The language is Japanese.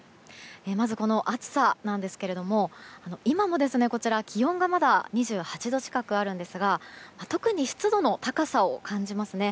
まず、この暑さですがこちらは今も気温が２８度近くあるんですが特に湿度の高さを感じますね。